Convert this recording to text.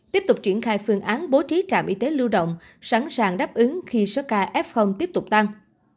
tiếp tục triển khai phương án bố trí trạm y tế lưu động sẵn sàng đáp ứng khi số ca f tiếp tục tăng